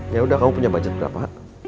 ya udah kamu punya budget berapa